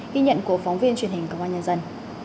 ghi nhận của phóng viên truyền hình công an nhân dân